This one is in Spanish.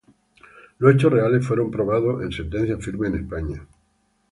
Los hechos, reales, fueron probados en sentencias firmes en España.